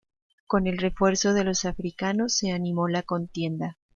Con el refuerzo de los africanos se animó la contienda.